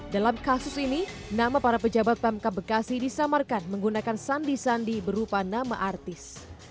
dalam kasus ini nama para pejabat pemkap bekasi disamarkan menggunakan sandi sandi berupa nama artis